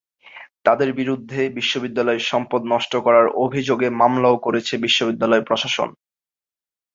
তাঁদের বিরুদ্ধে বিশ্ববিদ্যালয়ের সম্পদ নষ্ট করার অভিযোগে মামলাও করেছে বিশ্ববিদ্যালয় প্রশাসন।